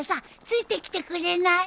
付いてきてくれない？